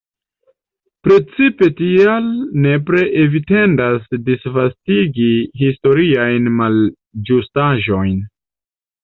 Precize tial nepre evitendas disvastigi historiajn malĝustaĵojn.